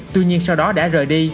tuy nhiên sau đó đã rời đi